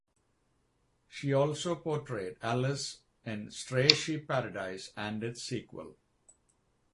She also portrayed Alice in "Stray Sheep Paradise" and its sequel.